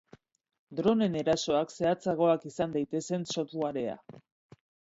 Droneen erasoak zehatzagoak izan daitezen softwarea.